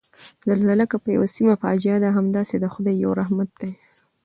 زلزله که په یوه سیمه فاجعه ده، همداسې د خدای یو رحمت دی